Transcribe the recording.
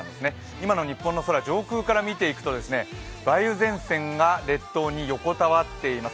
今の日本の空、上空から見ていくと梅雨前線が列島に横たわっています。